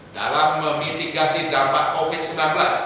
dalam memitigasi dampak covid sembilan belas